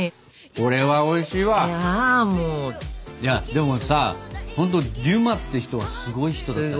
でもさほんとデュマって人はすごい人だったね。